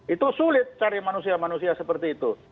itu sulit cari manusia manusia seperti itu